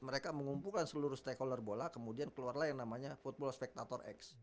mereka mengumpulkan seluruh stakeholder bola kemudian keluarlah yang namanya football spectator x